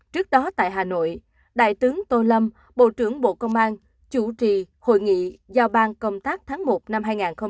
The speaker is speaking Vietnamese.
trước đó tại hà nội đại tướng tô lâm bộ trưởng bộ công an chủ trì hội nghị giao ban công tác tháng một năm hai nghìn hai mươi bốn